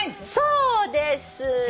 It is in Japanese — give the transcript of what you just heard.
そうです。